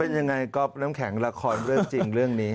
เป็นยังไงก๊อฟน้ำแข็งละครเรื่องจริงเรื่องนี้